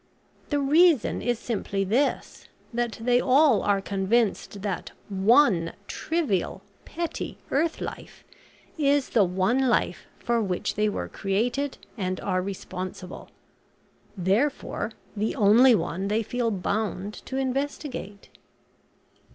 The reason is simply this, that they all are convinced that one trivial, petty earth life is the one life for which they were created and are responsible, therefore the only one they feel bound to investigate."